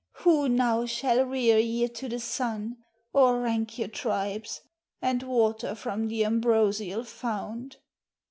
Who now shall rear ye to the sun, or rank Your tribes, and water from the ambrosial fount?